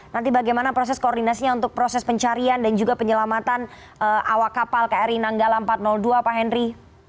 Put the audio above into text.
nanti bagaimana proses koordinasinya untuk proses pencarian dan juga penyelamatan awak kapal kri nanggala empat ratus dua pak henry